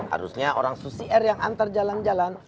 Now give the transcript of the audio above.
harusnya orang susi air yang antar jalan jalan